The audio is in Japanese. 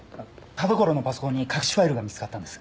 田所のパソコンに隠しファイルが見つかったんです。